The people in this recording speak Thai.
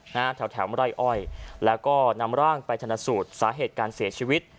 นะฮะแถวแถวไร่อ้อยแล้วก็นำร่างไปชนสูตรสาเหตุการเสียชีวิต